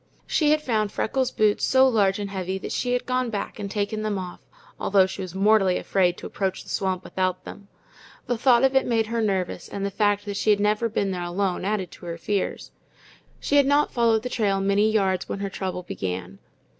She had found Freckles' boots so large and heavy that she had gone back and taken them off, although she was mortally afraid to approach the swamp without them. The thought of it made her nervous, and the fact that she never had been there alone added to her fears. She had not followed the trail many rods when her trouble began.